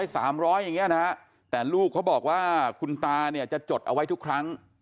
สามร้อยอย่างเงี้ยนะฮะแต่ลูกเขาบอกว่าคุณตาเนี่ยจะจดเอาไว้ทุกครั้ง